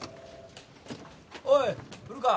おい古川。